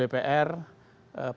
dan pemerintah itu mendagang